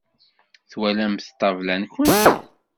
Twalamt ṭṭabla-nkent?